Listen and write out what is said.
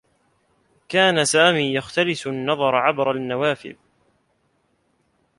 كان سامي يختلس النّظر عبر النّوافذ.